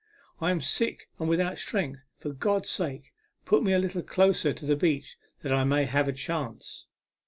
" I am sick and without strength. For God's sake put me a little closer to the beach that I may have a chance